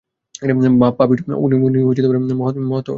বাপ পাপিষ্ঠ, উনি মহৎ লজ্জা করে না শশী তোর?